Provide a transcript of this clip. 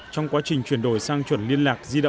trong quá trình truyền đổi